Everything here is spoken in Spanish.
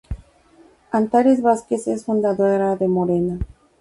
Antares Vázquez es fundadora de Morena.